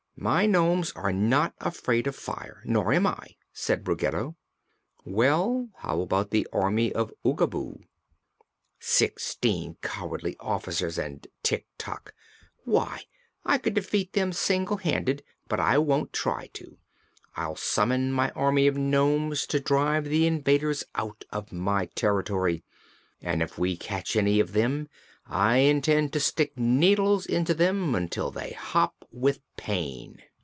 "My nomes are not afraid of fire, nor am I," said Ruggedo. "Well, how about the Army of Oogaboo?" "Sixteen cowardly officers and Tik Tok! Why, I could defeat them single handed; but I won't try to. I'll summon my army of nomes to drive the invaders out of my territory, and if we catch any of them I intend to stick needles into them until they hop with pain."